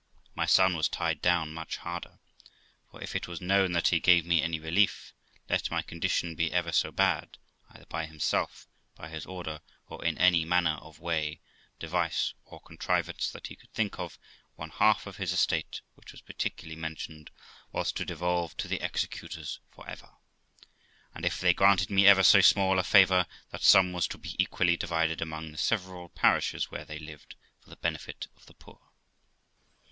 My son was tied down much harder; for if it was known that he gave me any relief, let my condition be ever so bad, either by himself, by his order, or in any manner of way, device, or contrivance that he could think of, one half of his estate, which was particularly mentioned, was to devolve to the executors for ever; and if they granted me ever so small a favour, that sum was to be equally divided among the several parishes where they lived, for the benefit of the poor.